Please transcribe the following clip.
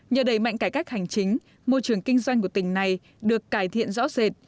nhờ đẩy mạnh cải cách hành chính môi trường kinh doanh của tỉnh này được cải thiện rõ rệt